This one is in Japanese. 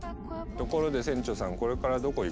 ところで船長さんこれからどこ行く？